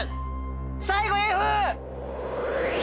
最後Ｆ！